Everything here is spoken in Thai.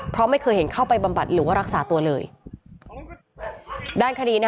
เพราะไม่เคยเห็นเข้าไปบำบัดหรือว่ารักษาตัวเลยด้านคดีนะ